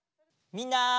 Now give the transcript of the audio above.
みんな。